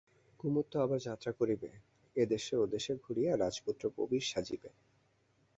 কুমুদ তো আবার যাত্রা করিবে, এদেশে ওদেশে ঘুরিয়া রাজপুত্র প্রবীর সাজিবে।